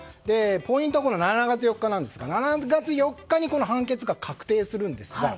ポイントは７月４日ですがその７月４日に判決が確定するんですが。